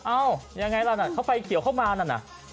เอ้ายังไงล่ะเขาไฟเขียวเข้ามานั่นน่ะ